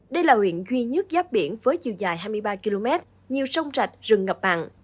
đây là huyện duy nhất giáp biển với chiều dài hai mươi ba km nhiều sông rạch rừng ngập mặn